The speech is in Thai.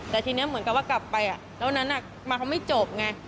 แต่ทีนี้เหมือนกับว่ากลับไปแล้ววันนั้นมาเขาไม่จบไง